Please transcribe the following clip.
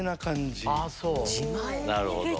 なるほど。